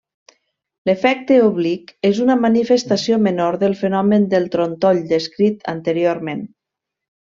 L'efecte oblic és una manifestació menor del fenomen del trontoll descrit anteriorment.